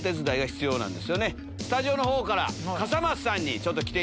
スタジオのほうから。